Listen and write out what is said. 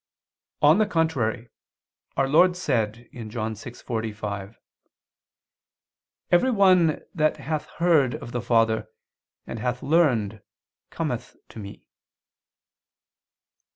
On the contrary, Our Lord said (John 6:45): "Every one that hath heard of the Father, and hath learned, cometh to Me."